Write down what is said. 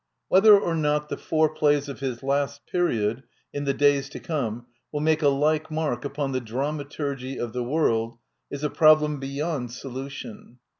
Whether or not the four plays of his last period, in the days to come, will make a like mark upon the dramaturgy of the world is a problem beyond solution.